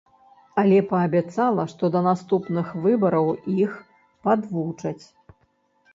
Але паабяцала, што да наступных выбараў іх падвучаць.